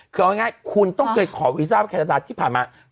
คือเอาง่ายคุณต้องเคยขอวีซ่าว่าแคนาดาที่ผ่านมา